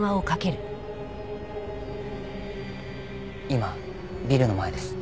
今ビルの前です。